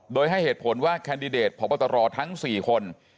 โดยให้เหตุผลว่าแคนดิเดตพบตรทั้ง๔คน